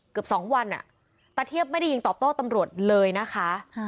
เกือบสองวันอ่ะตาเทียบไม่ได้ยินตอบโต้ตำรวจเลยนะคะ